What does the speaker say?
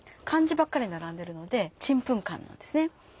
漢字ばっかり並んでるのでチンプンカンなんですね。